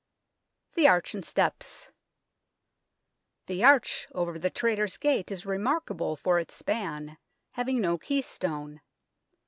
THE ARCH AND STEPS The arch over the Traitors' Gate is remark able for its span, having no keystone.